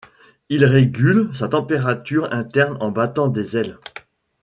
Il régule sa température interne en battant des ailes.